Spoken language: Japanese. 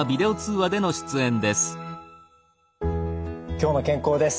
「きょうの健康」です。